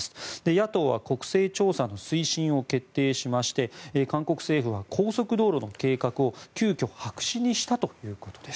野党は国勢調査の推進を決定しまして韓国政府は高速道路の計画を急きょ白紙にしたということです。